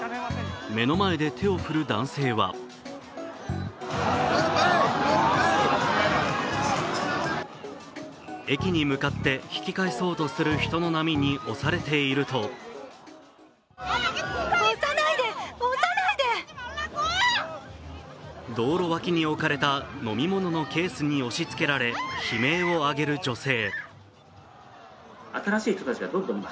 目の前で手を振る男性は駅に向かって引き返そうとする人の波に押されていると道路脇に置かれた飲み物のケースに押しつけられ悲鳴を上げる女性。